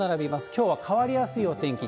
きょうは変わりやすいお天気。